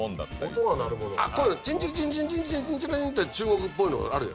チンチリチンチンチンチンって中国っぽいのあるじゃん。